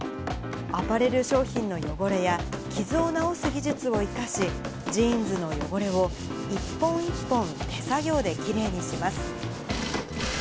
アパレル商品の汚れや、傷を直す技術を生かし、ジーンズの汚れを一本一本手作業できれいにします。